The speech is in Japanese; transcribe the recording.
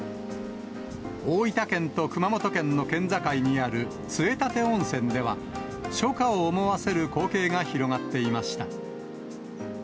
大分県と熊本県の県境にある杖立温泉では、初夏を思わせる光景が広がっていました。